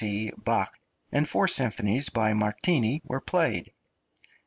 C. Bach and four symphonies by Martini were played.